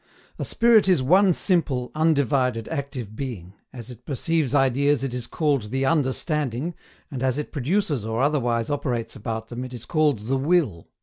A spirit is one simple, undivided, active being as it perceives ideas it is called the UNDERSTANDING, and as it produces or otherwise operates about them it is called the WILL.